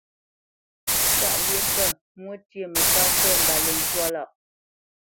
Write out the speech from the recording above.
Tâʼ lyeʼ pə, mwô ntyê mətá fɛ̂ mbáləŋ twâ lâʼ.